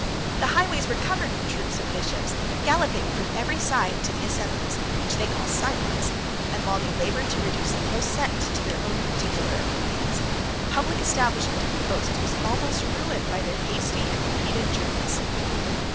The highways were covered with troops of bishops galloping from every side to the assemblies, which they call synods; and while they labored to reduce the whole sect to their own particular opinions, the public establishment of the posts was almost ruined by their hasty and repeated journeys."